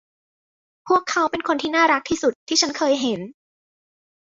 พวกเขาเป็นคนที่น่ารักที่สุดที่ฉันเคยเห็น